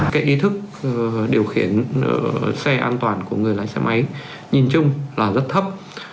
cái ý thức điều khiển xe an toàn của người lái xe máy nhìn chung là rất thấp